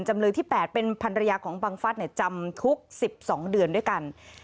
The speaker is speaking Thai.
จำเลยที่๘เป็นพันรยาของบังฟัสจำคุก๑๒เดือนด้วยกัน